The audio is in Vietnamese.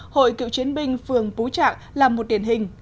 hội cựu chiến binh phường pú trạng là một điển hình